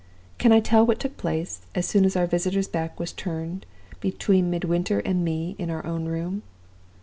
Can I tell what took place, as soon as our visitor's back was turned, between Midwinter and me in our own room?